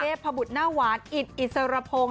พบุตรหน้าหวานอิดอิสรพงศ์